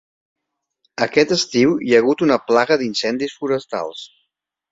Aquest estiu hi ha hagut una plaga d'incendis forestals.